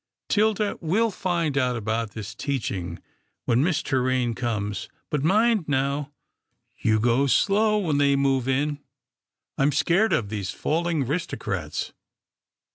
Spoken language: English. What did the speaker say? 'Tilda, we'll find out about this teaching when Miss Torraine comes, but mind now, you go slow when they move in. I'm scared of these falling 'ristocrats.